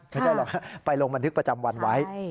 ไม่ใช่หรอกไปลงบันทึกประจำวันไว้